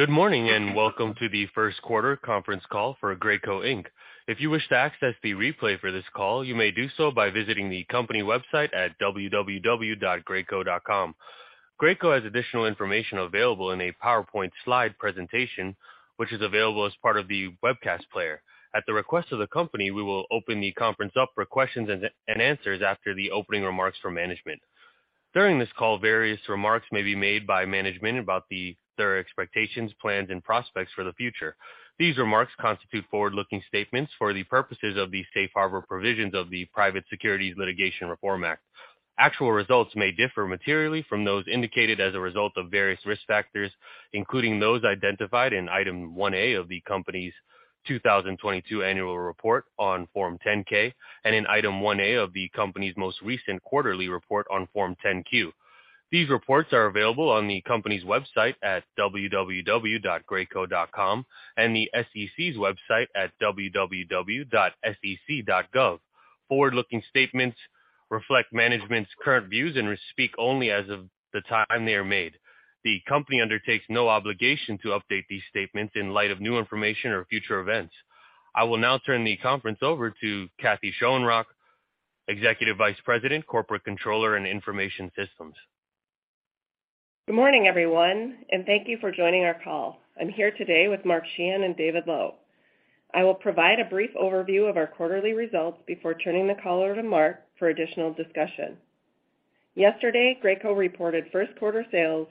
Good morning, and welcome to the first quarter conference call for Graco Inc. If you wish to access the replay for this call, you may do so by visiting the company website at www.graco.com. Graco has additional information available in a PowerPoint slide presentation, which is available as part of the webcast player. At the request of the company, we will open the conference up for questions and answers after the opening remarks from management. During this call, various remarks may be made by management about their expectations, plans, and prospects for the future. These remarks constitute forward-looking statements for the purposes of the safe harbor provisions of the Private Securities Litigation Reform Act. Actual results may differ materially from those indicated as a result of various risk factors, including those identified in Item 1A of the company's 2022 annual report on Form 10-K and in Item 1A of the company's most recent quarterly report on Form 10-Q. These reports are available on the company's website at www.graco.com and the SEC's website at www.sec.gov. Forward-looking statements reflect management's current views and speak only as of the time they are made. The company undertakes no obligation to update these statements in light of new information or future events. I will now turn the conference over to Kathy Schoenrock, Executive Vice President, Corporate Controller, and Information Systems. Good morning, everyone, thank you for joining our call. I'm here today with Mark Sheahan and David Lowe. I will provide a brief overview of our quarterly results before turning the call over to Mark for additional discussion. Yesterday, Graco reported first quarter sales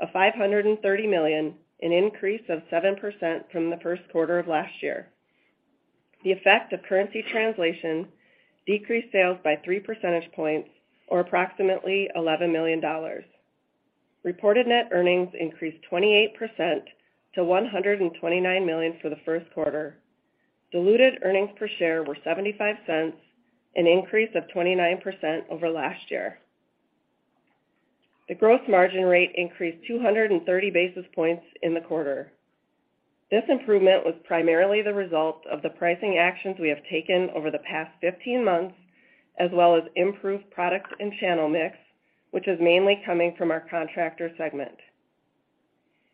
of $530 million, an increase of 7% from the first quarter of last year. The effect of currency translation decreased sales by three percentage points or approximately $11 million. Reported net earnings increased 28% to $129 million for the first quarter. Diluted earnings per share were $0.75, an increase of 29% over last year. The growth margin rate increased 230 basis points in the quarter. This improvement was primarily the result of the pricing actions we have taken over the past 15 months, as well as improved product and channel mix, which is mainly coming from our contractor segment.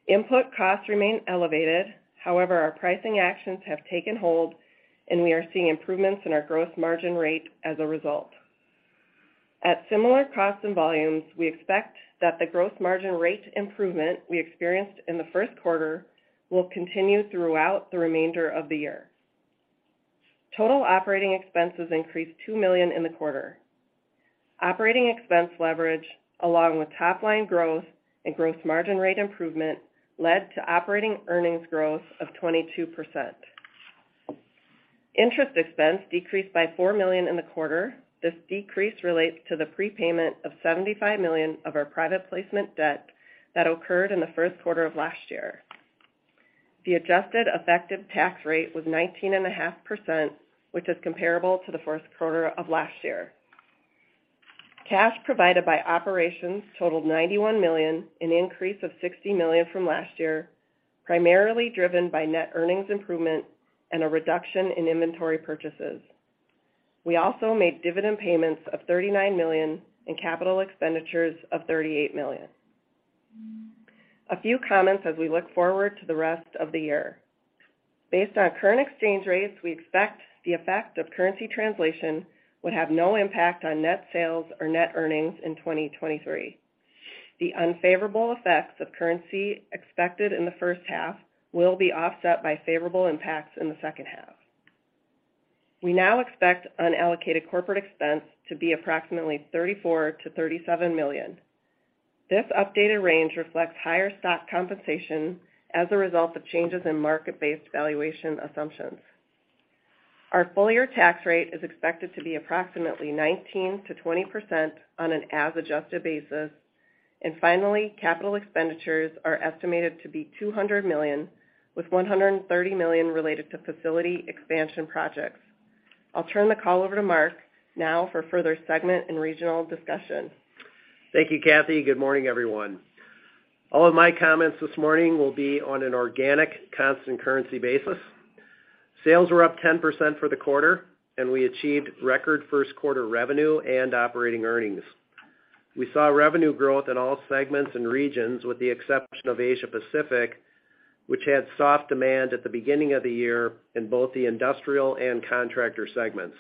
Input costs remain elevated. Our pricing actions have taken hold, and we are seeing improvements in our growth margin rate as a result. At similar costs and volumes, we expect that the gross margin rate improvement we experienced in the first quarter will continue throughout the remainder of the year. Total operating expenses increased $2 million in the quarter. Operating expense leverage, along with top-line growth and gross margin rate improvement, led to operating earnings growth of 22%. Interest expense decreased by $4 million in the quarter. This decrease relates to the prepayment of $75 million of our private placement debt that occurred in the first quarter of last year. The adjusted effective tax rate was 19.5%, which is comparable to the first quarter of last year. Cash provided by operations totaled $91 million, an increase of $60 million from last year, primarily driven by net earnings improvement and a reduction in inventory purchases. We also made dividend payments of $39 million and capital expenditures of $38 million. A few comments as we look forward to the rest of the year. Based on current exchange rates, we expect the effect of currency translation would have no impact on net sales or net earnings in 2023. The unfavorable effects of currency expected in the first half will be offset by favorable impacts in the second half. We now expect unallocated corporate expense to be approximately $34 million-$37 million. This updated range reflects higher stock compensation as a result of changes in market-based valuation assumptions. Our full-year tax rate is expected to be approximately 19%-20% on an as-adjusted basis. Capital expenditures are estimated to be $200 million, with $130 million related to facility expansion projects. I'll turn the call over to Mark now for further segment and regional discussion. Thank you, Kathy. Good morning, everyone. All of my comments this morning will be on an organic constant currency basis. Sales were up 10% for the quarter, and we achieved record first quarter revenue and operating earnings. We saw revenue growth in all segments and regions with the exception of Asia Pacific, which had soft demand at the beginning of the year in both the industrial and contractor segments.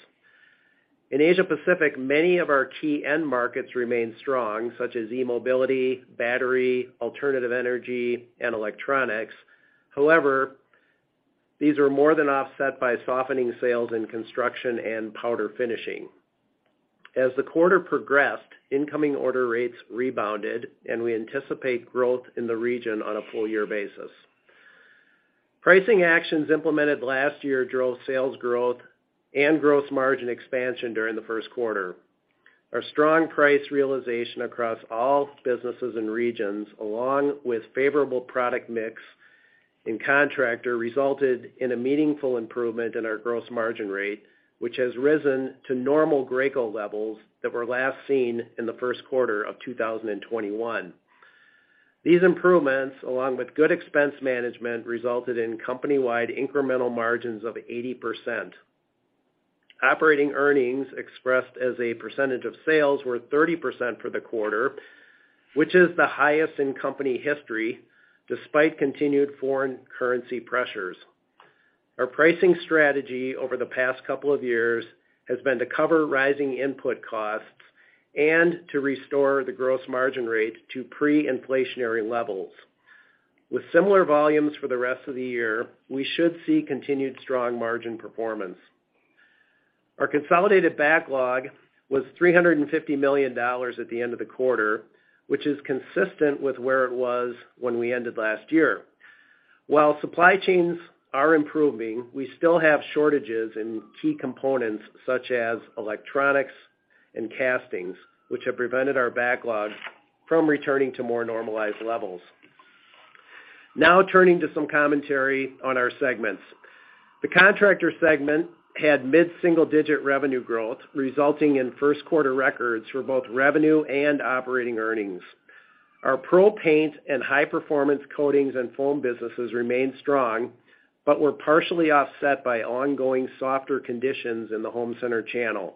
In Asia Pacific, many of our key end markets remain strong, such as e-mobility, battery, alternative energy, and electronics. However, these are more than offset by softening sales in construction and powder finishing. As the quarter progressed, incoming order rates rebounded, and we anticipate growth in the region on a full year basis. Pricing actions implemented last year drove sales growth and gross margin expansion during the first quarter. Our strong price realization across all businesses and regions, along with favorable product mix and contractor, resulted in a meaningful improvement in our gross margin rate, which has risen to normal Graco levels that were last seen in the first quarter of 2021. These improvements, along with good expense management, resulted in company-wide incremental margins of 80%. Operating earnings expressed as a percentage of sales were 30% for the quarter, which is the highest in company history despite continued foreign currency pressures. Our pricing strategy over the past couple of years has been to cover rising input costs and to restore the gross margin rate to pre-inflationary levels. With similar volumes for the rest of the year, we should see continued strong margin performance. Our consolidated backlog was $350 million at the end of the quarter, which is consistent with where it was when we ended last year. While supply chains are improving, we still have shortages in key components such as electronics and castings, which have prevented our backlog from returning to more normalized levels. Now turning to some commentary on our segments. The contractor segment had mid-single-digit revenue growth, resulting in first quarter records for both revenue and operating earnings. Our pro paint and high-performance coatings and foam businesses remained strong, but were partially offset by ongoing softer conditions in the home center channel.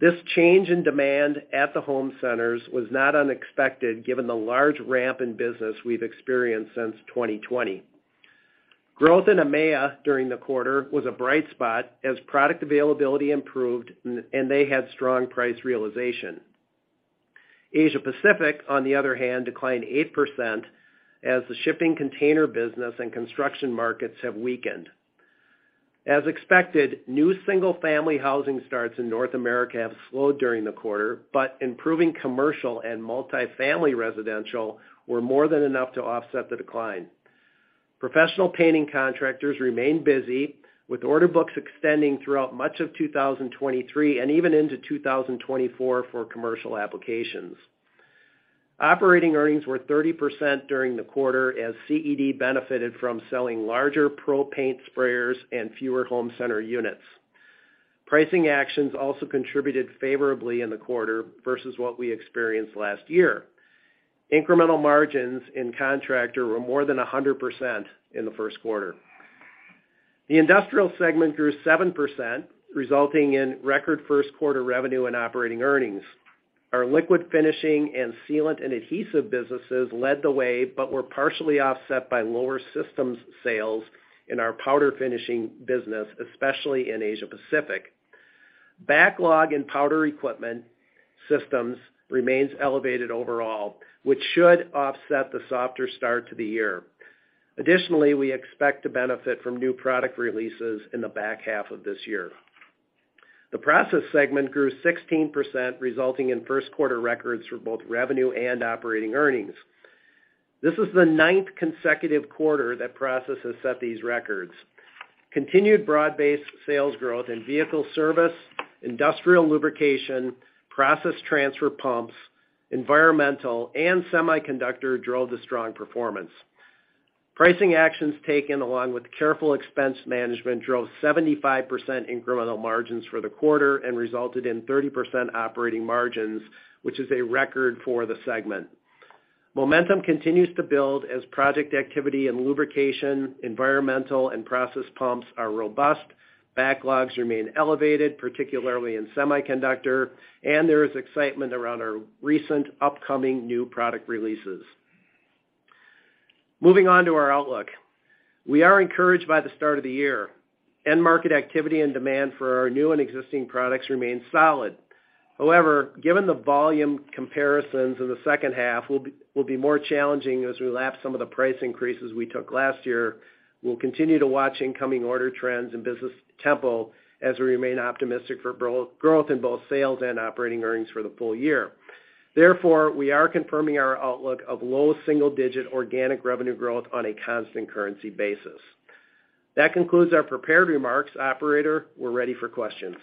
This change in demand at the home centers was not unexpected given the large ramp in business we've experienced since 2020. Growth in EMEA during the quarter was a bright spot as product availability improved and they had strong price realization. Asia Pacific, on the other hand, declined 8% as the shipping container business and construction markets have weakened. As expected, new single-family housing starts in North America have slowed during the quarter, but improving commercial and multifamily residential were more than enough to offset the decline. Professional painting contractors remain busy, with order books extending throughout much of 2023 and even into 2024 for commercial applications. Operating earnings were 30% during the quarter as CED benefited from selling larger pro paint sprayers and fewer home center units. Pricing actions also contributed favorably in the quarter versus what we experienced last year. Incremental margins in contractor were more than 100% in the first quarter. The industrial segment grew 7%, resulting in record first quarter revenue and operating earnings. Our liquid finishing and sealant and adhesive businesses led the way, but were partially offset by lower systems sales in our powder finishing business, especially in Asia Pacific. Backlog in powder equipment systems remains elevated overall, which should offset the softer start to the year. We expect to benefit from new product releases in the back half of this year. The process segment grew 16%, resulting in first quarter records for both revenue and operating earnings. This is the ninth consecutive quarter that process has set these records. Continued broad-based sales growth in vehicle service, industrial lubrication, process transfer pumps, environmental, and semiconductor drove the strong performance. Pricing actions taken along with careful expense management drove 75% incremental margins for the quarter and resulted in 30% operating margins, which is a record for the segment. Momentum continues to build as project activity and lubrication, environmental, and process pumps are robust. Backlogs remain elevated, particularly in semiconductor. There is excitement around our recent upcoming new product releases. Moving on to our outlook. We are encouraged by the start of the year. End market activity and demand for our new and existing products remain solid. However, given the volume comparisons in the second half will be more challenging as we lap some of the price increases we took last year. We'll continue to watch incoming order trends and business tempo as we remain optimistic for growth in both sales and operating earnings for the full year. We are confirming our outlook of low single-digit organic revenue growth on a constant currency basis. That concludes our prepared remarks. Operator, we're ready for questions.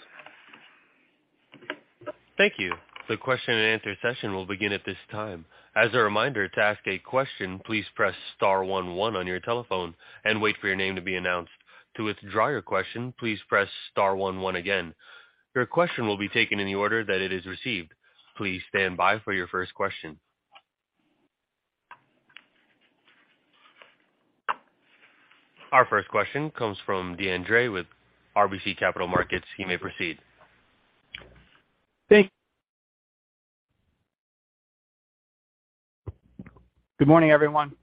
Thank you. The question-and-answer session will begin at this time. As a reminder, to ask a question, please press star one one on your telephone and wait for your name to be announced. To withdraw your question, please press star one one again. Your question will be taken in the order that it is received. Please stand by for your first question. Our first question comes from Deane Dray with RBC Capital Markets. He may proceed. Good morning, everyone.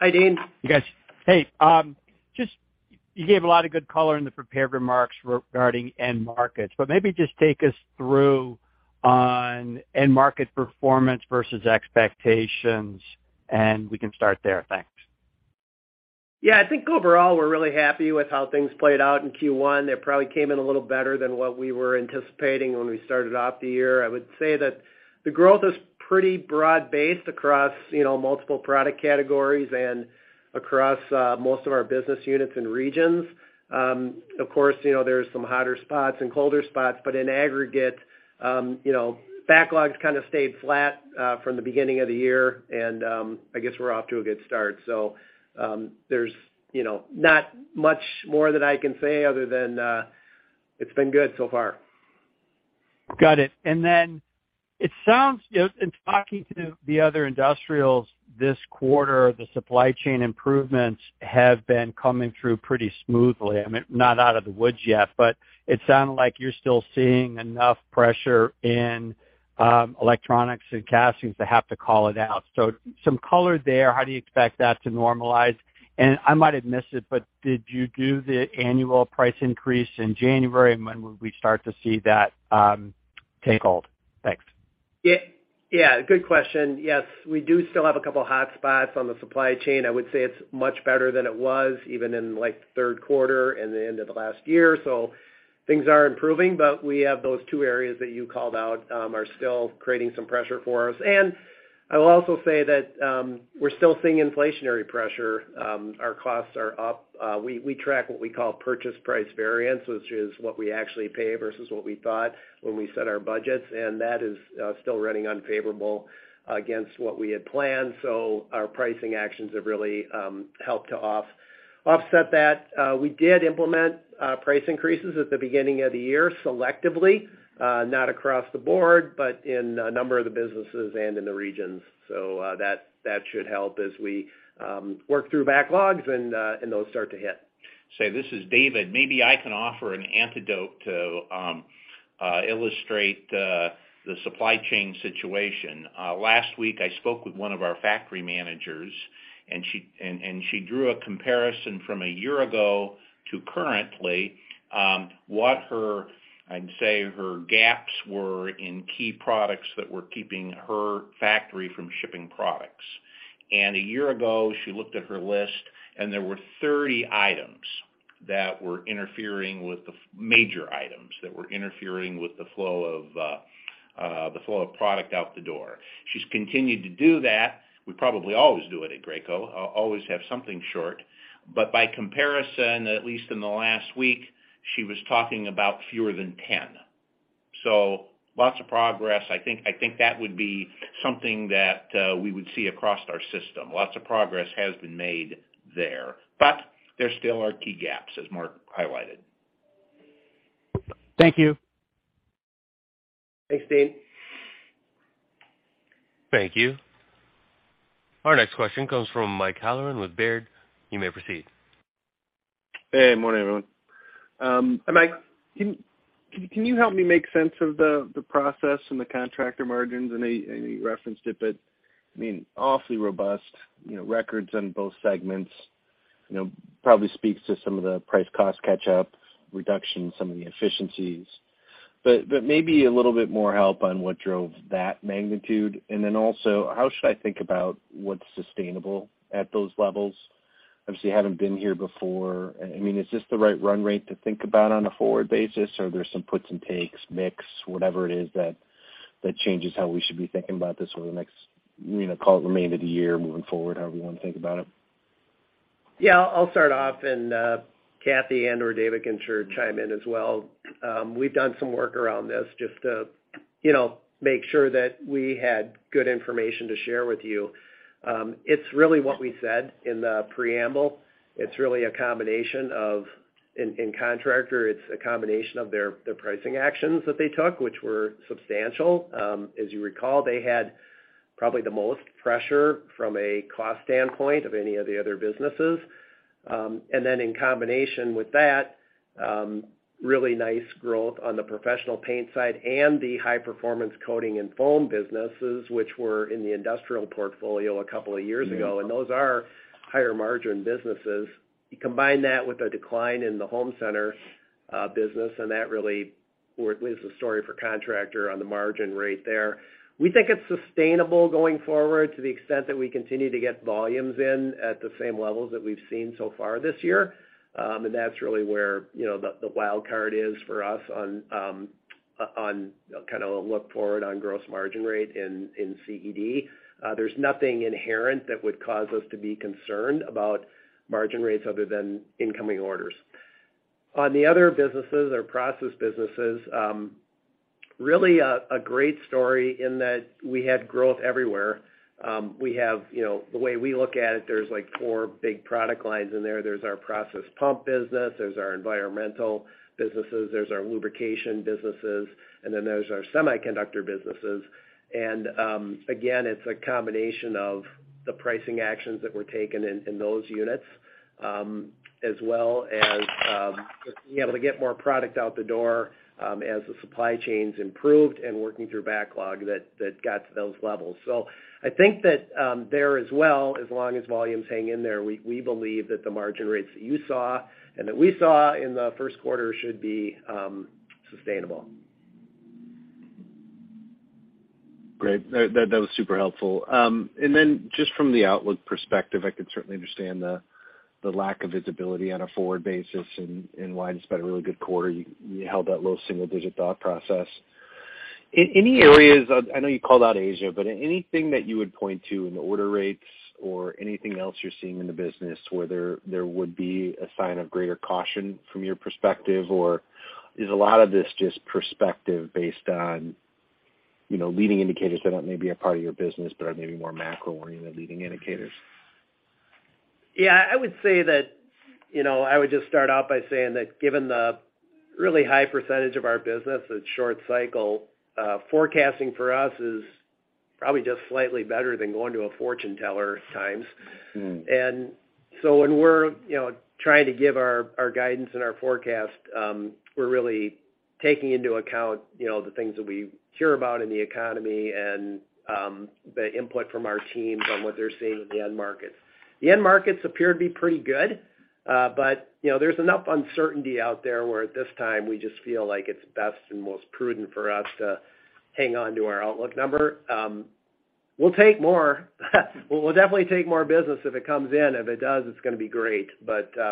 Hi, Deane. You guys. Hey, just, you gave a lot of good color in the prepared remarks regarding end markets, maybe just take us through on end market performance versus expectations. We can start there. Thanks. Yeah. I think overall, we're really happy with how things played out in Q1. They probably came in a little better than what we were anticipating when we started off the year. I would say that the growth is pretty broad-based across, you know, multiple product categories and across most of our business units and regions. Of course, you know, there's some hotter spots and colder spots, but in aggregate, you know, backlogs kind of stayed flat from the beginning of the year, and I guess we're off to a good start. There's, you know, not much more that I can say other than it's been good so far. Got it. It sounds, you know, in talking to the other industrials this quarter, the supply chain improvements have been coming through pretty smoothly. I mean, not out of the woods yet, but it sounded like you're still seeing enough pressure in electronics and castings to have to call it out. Some color there, how do you expect that to normalize? I might have missed it, but did you do the annual price increase in January? When would we start to see that take hold? Thanks. Yeah, yeah. Good question. Yes, we do still have a couple of hotspots on the supply chain. I would say it's much better than it was even in like the third quarter and the end of last year. Things are improving, but we have those two areas that you called out are still creating some pressure for us. I will also say that we're still seeing inflationary pressure. Our costs are up. We track what we call purchase price variance, which is what we actually pay versus what we thought when we set our budgets, and that is still running unfavorable against what we had planned. Our pricing actions have really helped to offset that. We did implement price increases at the beginning of the year selectively, not across the board, but in a number of the businesses and in the regions. That should help as we work through backlogs and those start to hit. This is David. Maybe I can offer an antidote to illustrate the supply chain situation. Last week, I spoke with one of our factory managers, and she drew a comparison from a year ago to currently, what her, I'd say her gaps were in key products that were keeping her factory from shipping products. A year ago, she looked at her list, and there were 30 items that were interfering with the major items that were interfering with the flow of the flow of product out the door. She's continued to do that. We probably always do it at Graco, always have something short. By comparison, at least in the last week, she was talking about fewer than 10. Lots of progress. I think that would be something that we would see across our system. Lots of progress has been made there, but there still are key gaps, as Mark highlighted. Thank you. Thanks, Deane. Thank you. Our next question comes from Mike Halloran with Baird. You may proceed. Hey, morning, everyone. Mike, can you help me make sense of the process and the contractor margins? I know you referenced it, but I mean, awfully robust, you know, records in both segments, you know, probably speaks to some of the price cost catch up, reduction in some of the efficiencies. Maybe a little bit more help on what drove that magnitude. Also, how should I think about what's sustainable at those levels? Obviously, you haven't been here before. I mean, is this the right run rate to think about on a forward basis? Are there some puts and takes, mix, whatever it is that changes how we should be thinking about this over the next, you know, call it the remainder of the year moving forward, however you wanna think about it. Yeah, I'll start off, and Kathy and/or David can sure chime in as well. We've done some work around this just to, you know, make sure that we had good information to share with you. It's really what we said in the preamble. It's really a combination of... In contractor, it's a combination of their pricing actions that they took, which were substantial. As you recall, they had probably the most pressure from a cost standpoint of any of the other businesses. Then in combination with that, really nice growth on the professional paint side and the high-performance coating and foam businesses, which were in the industrial portfolio a couple of years ago. Those are higher margin businesses. You combine that with a decline in the home center business, and that really was the story for contractor on the margin rate there. We think it's sustainable going forward to the extent that we continue to get volumes in at the same levels that we've seen so far this year. That's really where, you know, the wild card is for us on, you know, kind of a look forward on gross margin rate in CED. There's nothing inherent that would cause us to be concerned about margin rates other than incoming orders. On the other businesses or process businesses, really a great story in that we had growth everywhere. We have, you know, the way we look at it, there's like four big product lines in there. There's our process pump business, there's our environmental businesses, there's our lubrication businesses, and then there's our semiconductor businesses. Again, it's a combination of the pricing actions that were taken in those units, as well as being able to get more product out the door, as the supply chains improved and working through backlog that got to those levels. I think that there as well, as long as volumes hang in there, we believe that the margin rates that you saw and that we saw in the first quarter should be sustainable. Great. That, that was super helpful. Then just from the outlook perspective, I could certainly understand the lack of visibility on a forward basis and why despite a really good quarter, you held that low single digit thought process. In any areas, I know you called out Asia, but anything that you would point to in the order rates or anything else you're seeing in the business where there would be a sign of greater caution from your perspective, or is a lot of this just perspective based on, you know, leading indicators that aren't maybe a part of your business, but are maybe more macro oriented leading indicators? Yeah, I would say that, you know, I would just start off by saying that given the really high percentage of our business is short cycle, forecasting for us is probably just slightly better than going to a fortune teller at times. When we're, you know, trying to give our guidance and our forecast, we're really taking into account, you know, the things that we hear about in the economy and, the input from our teams on what they're seeing in the end markets. The end markets appear to be pretty good. You know, there's enough uncertainty out there where at this time we just feel like it's best and most prudent for us to hang on to our outlook number. We'll take more. We'll definitely take more business if it comes in. If it does, it's gonna be great.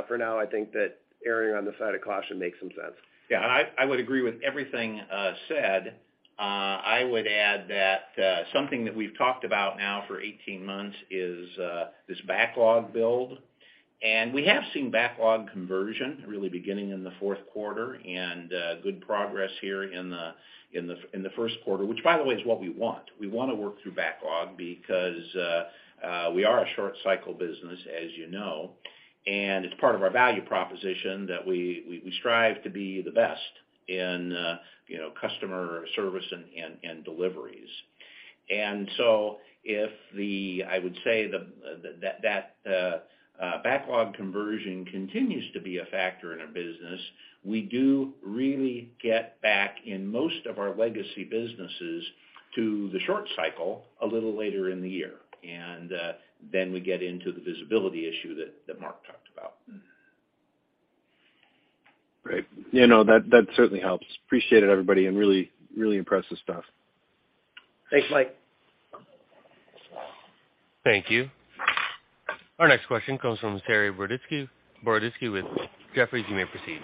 For now, I think that erring on the side of caution makes some sense. Yeah. I would agree with everything said. I would add that something that we've talked about now for 18 months is this backlog build. We have seen backlog conversion really beginning in the fourth quarter and good progress here in the first quarter, which by the way is what we want. We wanna work through backlog because we are a short cycle business, as you know. It's part of our value proposition that we strive to be the best in, you know, customer service and deliveries. I would say that backlog conversion continues to be a factor in our business, we do really get back in most of our legacy businesses to the short cycle a little later in the year. Then we get into the visibility issue that Mark talked about. Great. You know, that certainly helps. Appreciate it, everybody, and really impressed with stuff. Thanks, Mike. Thank you. Our next question comes from Saree Boroditsky with Jefferies. You may proceed.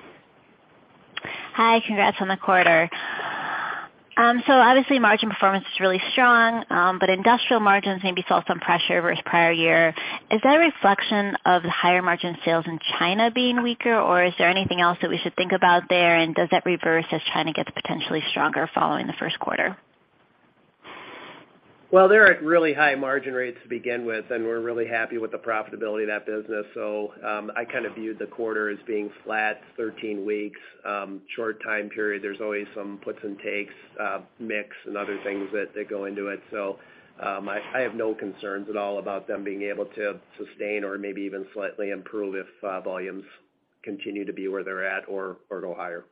Hi. Congrats on the quarter. Obviously margin performance is really strong, but industrial margins maybe saw some pressure versus prior year. Is that a reflection of the higher margin sales in China being weaker, or is there anything else that we should think about there? Does that reverse as China gets potentially stronger following the first quarter? They're at really high margin rates to begin with, and we're really happy with the profitability of that business. I kind of viewed the quarter as being flat, 13 weeks, short time period. There's always some puts and takes, mix and other things that go into it. I have no concerns at all about them being able to sustain or maybe even slightly improve if volumes continue to be where they're at or go higher. Okay.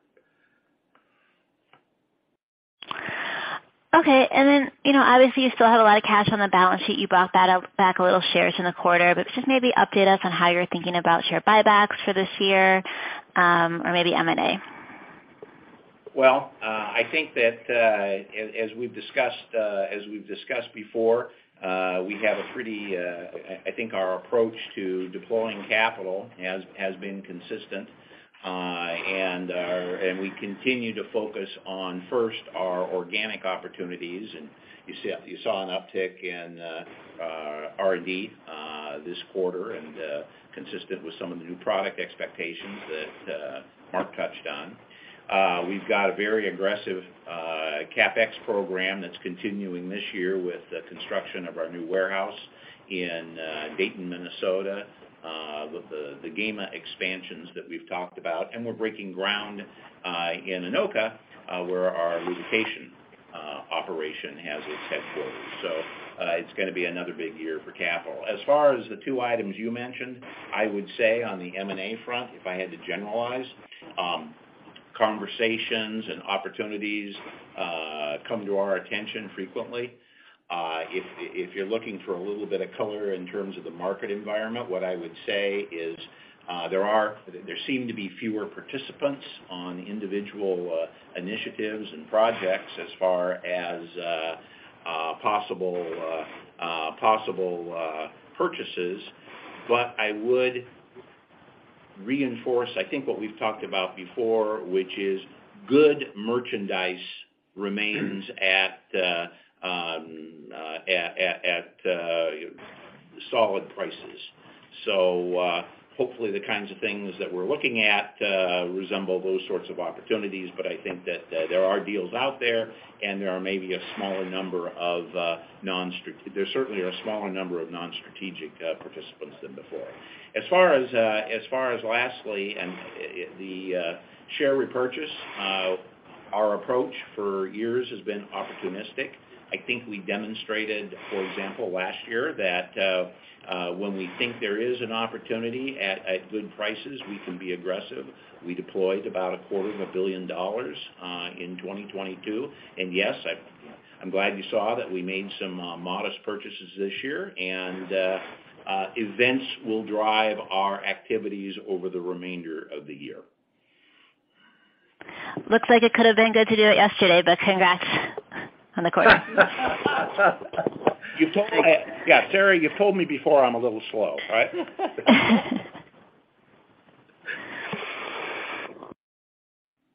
you know, obviously you still have a lot of cash on the balance sheet. You bought that up back a little shares in the quarter, but just maybe update us on how you're thinking about share buybacks for this year, or maybe M&A. Well, I think that as we've discussed, as we've discussed before, I think our approach to deploying capital has been consistent. We continue to focus on first our organic opportunities. You saw an uptick in our R&D this quarter and consistent with some of the new product expectations that Mark touched on. We've got a very aggressive CapEx program that's continuing this year with the construction of our new warehouse in Dayton, Minnesota, with the Gema expansions that we've talked about. We're breaking ground in Anoka, where our lubrication operation has its headquarters. It's gonna be another big year for capital. As far as the two items you mentioned, I would say on the M&A front, if I had to generalize, conversations and opportunities come to our attention frequently. If you're looking for a little bit of color in terms of the market environment, what I would say is, there seem to be fewer participants on individual initiatives and projects as far as possible purchases. I would reinforce, I think, what we've talked about before, which is good merchandise remains at solid prices. Hopefully the kinds of things that we're looking at resemble those sorts of opportunities, but I think that there are deals out there and there certainly are a smaller number of non-strategic participants than before. As far as lastly and the share repurchase, our approach for years has been opportunistic. I think we demonstrated, for example, last year that when we think there is an opportunity at good prices, we can be aggressive. We deployed about a quarter of a billion dollars in 2022. Yes, I'm glad you saw that we made some modest purchases this year, and events will drive our activities over the remainder of the year. Looks like it could have been good to do it yesterday. Congrats on the quarter. Yeah, Saree, you've told me before I'm a little slow, right?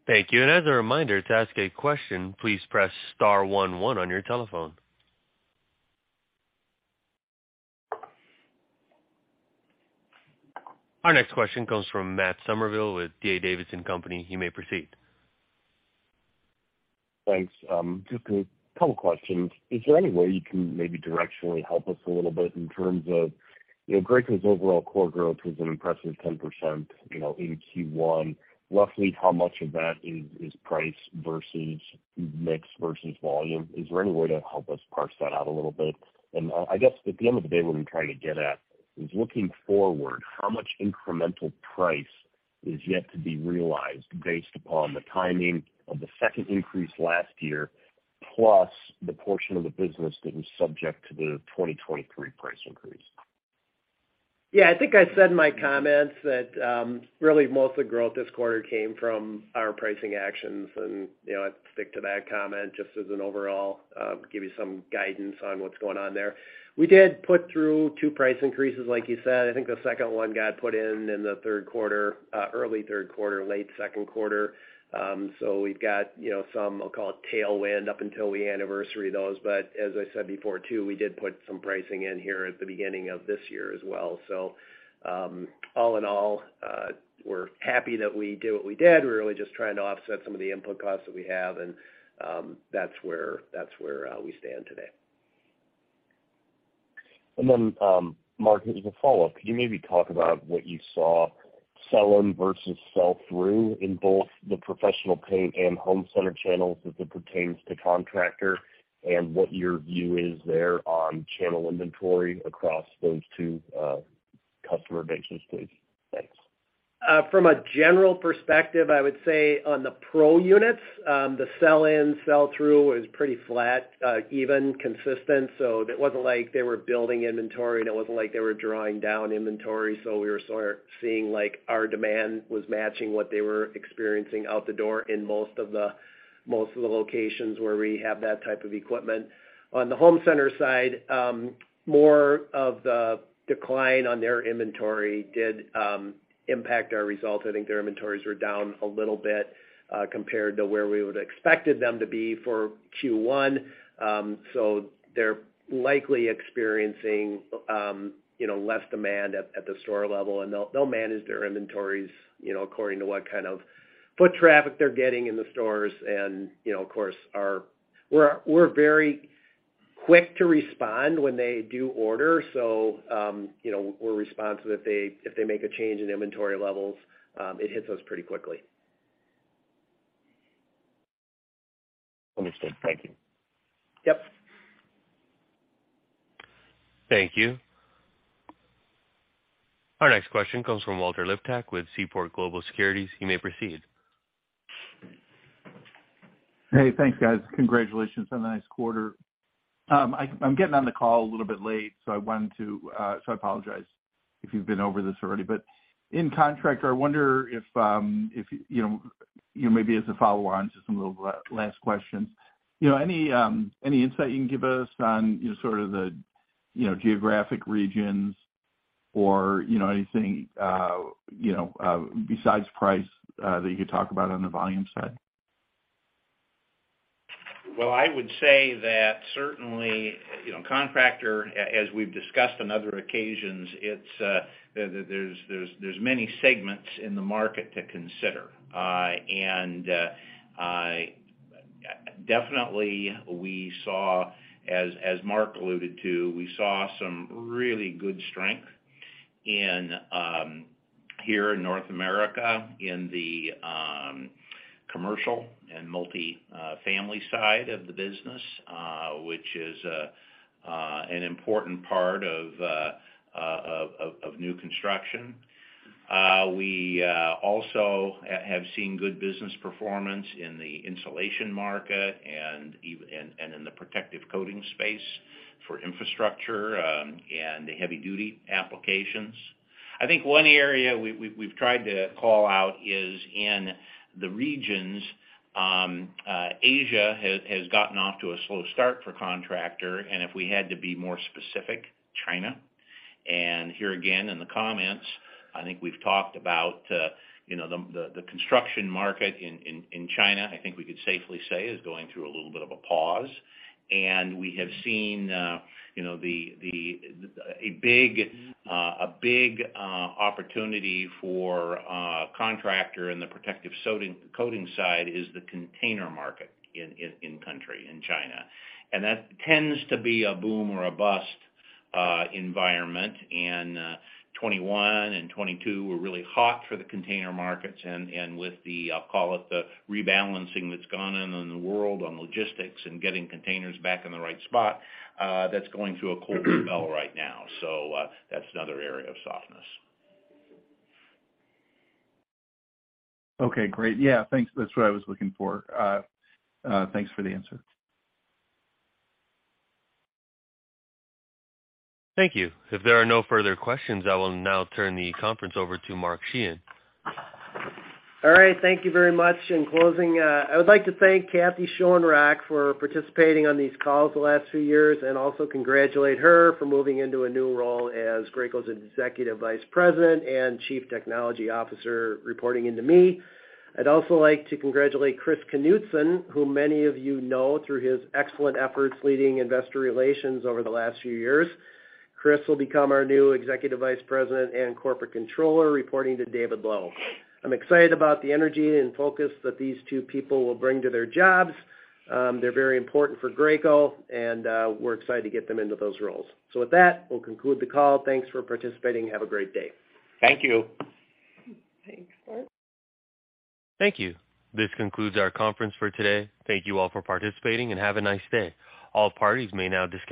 Thank you. As a reminder, to ask a question, please press star one one on your telephone. Our next question comes from Matt Summerville with D.A. Davidson company. He may proceed. Thanks. Just a couple questions. Is there any way you can maybe directionally help us a little bit in terms of, you know, Graco's overall core growth was an impressive 10%, you know, in Q1? Roughly how much of that is price versus mix versus volume? Is there any way to help us parse that out a little bit? I guess at the end of the day, what I'm trying to get at is looking forward, how much incremental price is yet to be realized based upon the timing of the second increase last year, plus the portion of the business that was subject to the 2023 price increase? I think I said in my comments that really most of the growth this quarter came from our pricing actions. You know, I'd stick to that comment just as an overall, give you some guidance on what's going on there. We did put through two price increases, like you said. I think the second one got put in in the third quarter, early third quarter, late second quarter. We've got, you know, some, I'll call it tailwind, up until we anniversary those. As I said before too, we did put some pricing in here at the beginning of this year as well. All in all, we're happy that we did what we did. We're really just trying to offset some of the input costs that we have, and that's where we stand today. Then, Mark, as a follow-up, could you maybe talk about what you saw sell in versus sell through in both the professional paint and home center channels as it pertains to contractor, and what your view is there on channel inventory across those two, customer bases, please? Thanks. From a general perspective, I would say on the pro units, the sell in, sell through is pretty flat, even consistent. It wasn't like they were building inventory, and it wasn't like they were drawing down inventory. We were sort of seeing, like, our demand was matching what they were experiencing out the door in most of the locations where we have that type of equipment. On the home center side, more of the decline on their inventory did impact our results. I think their inventories were down a little bit, compared to where we would've expected them to be for Q1. They're likely experiencing, you know, less demand at the store level, and they'll manage their inventories, you know, according to what kind of foot traffic they're getting in the stores. You know, We're very quick to respond when they do order, so, you know, we're responsive if they, if they make a change in inventory levels, it hits us pretty quickly. Understood. Thank you. Yep. Thank you. Our next question comes from Walter Liptak with Seaport Research Partners. You may proceed. Hey, thanks guys. Congratulations on the nice quarter. I'm getting on the call a little bit late, so I apologize if you've been over this already. In contract, I wonder if, you know, maybe as a follow on to some of the last questions, any insight you can give us on sort of the geographic regions or anything besides price that you could talk about on the volume side? I would say that certainly, you know, contractor, as we've discussed on other occasions, it's, there's many segments in the market to consider. Definitely we saw as Mark alluded to, we saw some really good strength in here in North America in the commercial and multi-family side of the business, which is an important part of new construction. We also have seen good business performance in the insulation market and even in the protective coating space for infrastructure and the heavy duty applications. I think one area we've tried to call out is in the regions, Asia has gotten off to a slow start for contractor, if we had to be more specific, China. Here again, in the comments, I think we've talked about, you know, the construction market in China, I think we could safely say is going through a little bit of a pause. We have seen, you know, a big opportunity for contractor in the protective coating side is the container market in country, in China. That tends to be a boom or a bust environment. 2021 and 2022 were really hot for the container markets and with the, I'll call it the rebalancing that's gone on in the world on logistics and getting containers back in the right spot, that's going through a quarter build right now. That's another area of softness. Okay, great. Yeah, thanks. That's what I was looking for. Thanks for the answer. Thank you. If there are no further questions, I will now turn the conference over to Mark Sheahan. All right, thank you very much. In closing, I would like to thank Kathy Schoenrock for participating on these calls the last few years, and also congratulate her for moving into a new role as Graco's Executive Vice President and Chief Technology Officer, reporting into me. I'd also like to congratulate Chris Knutson, who many of you know through his excellent efforts leading investor relations over the last few years. Chris will become our new Executive Vice President and Corporate Controller, reporting to David Lowe. I'm excited about the energy and focus that these two people will bring to their jobs. They're very important for Graco, and we're excited to get them into those roles. With that, we'll conclude the call. Thanks for participating. Have a great day. Thank you. Thanks, Mark. Thank you. This concludes our conference for today. Thank you all for participating. Have a nice day. All parties may now disconnect.